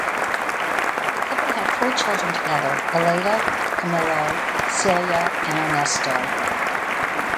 The couple had four children together: Aleida, Camilo, Celia, and Ernesto.